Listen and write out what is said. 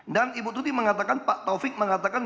dan ibu tuti mengatakan pak taufik mengatakan